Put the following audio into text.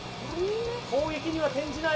攻撃には転じない。